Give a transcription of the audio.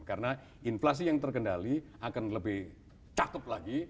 karena inflasi yang terkendali akan lebih cakep lagi